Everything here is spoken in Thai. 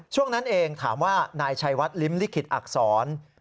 ช่วงนั้นเองถามว่านายชัยวัดลิ้มลิขิตอักษร